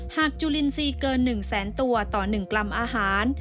จุลินทรีย์เกิน๑แสนตัวต่อ๑กรัมอาหาร